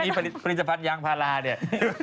มีผลิตภัณฑ์ยางพาราเนี่ย